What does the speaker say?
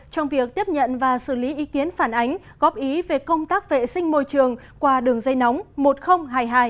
trong việc tiếp nhận và xử lý ý kiến phản ánh góp ý về công tác vệ sinh môi trường qua đường dây nóng một nghìn hai mươi hai